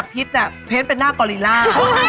ไม่ได้เป็นหน้ากอลิล่า